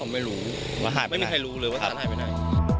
ไม่มีใครรู้เลยว่าสารหายไปได้